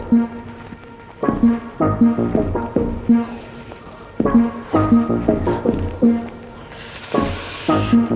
duh la tuh